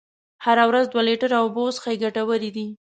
هره ورځ دوه لیتره اوبه وڅښئ ګټورې دي.